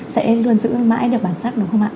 sẽ luôn giữ mãi được bản sắc đúng không ạ